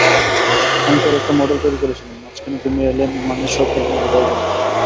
অঙ্কের একটা মডেল তৈরি করছিলাম, মাঝখানে তুমি এলে মানে সব এলোমেলো হয়ে গেল।